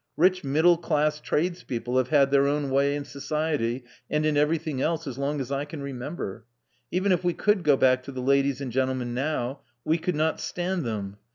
Rich middle class tradespeople have had their own way in society and in everything else as long as. I can remember. Even if we could go back to the ladies and gentlemen now, we could not stand them.